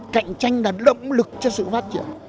cạnh tranh là động lực cho sự phát triển